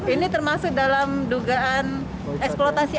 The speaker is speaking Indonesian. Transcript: ini termasuk dalam dugaan eksplotasi anak